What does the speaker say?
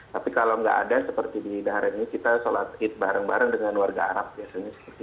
tapi kalau nggak ada seperti di dahar ini kita sholat id bareng bareng dengan warga arab biasanya